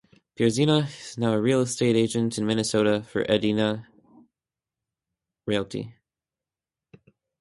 Pierzina is now a real estate agent in Minnesota for Edina Realty.